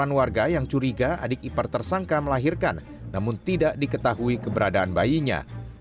korban warga yang curiga adik ipar tersangka melahirkan namun tidak diketahui keberadaan bayinya